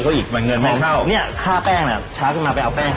ลูกละบาทอาหารลูก